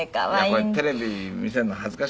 これテレビ見せるの恥ずかしがるから。